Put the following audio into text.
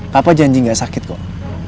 papa janji gak sakit kok